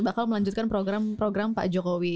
bakal melanjutkan program program pak jokowi